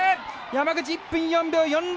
山口、１分４秒４６。